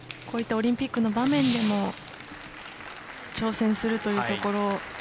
こういったオリンピックの場面でも挑戦するというところ。